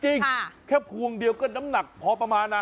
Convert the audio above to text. จริงแค่พวงเดียวก็น้ำหนักพอประมาณนะ